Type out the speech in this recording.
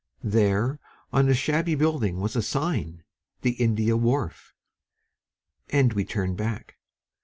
There on a shabby building was a sign "The India Wharf "... and we turned back.